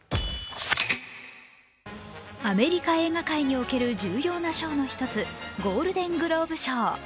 アメリカ映画界における重要な賞の一つ、ゴールデン・グローブ賞。